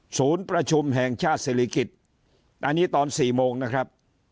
ศูนย์ประชุมแห่งชาติศิริกิจอันนี้ตอน๔โมงนะครับ